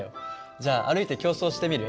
じゃあ歩いて競争してみる？